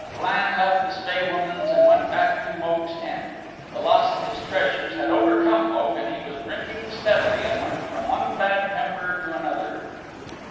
Flann left the Spae Woman's and went back to Mogue's tent. The loss of his treasures had overcome Mogue and he was drinking steadily and went from one bad temper to another.